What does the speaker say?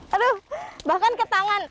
aduh bahkan ke tangan